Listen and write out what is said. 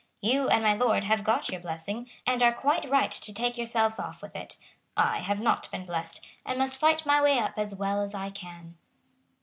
You and my Lord have got your blessing, and are quite right to take yourselves off with it. I have not been blest, and must fight my way up as well as I can."